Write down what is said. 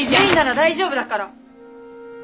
結なら大丈夫だから！